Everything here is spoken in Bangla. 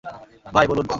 ভাই, বলুন।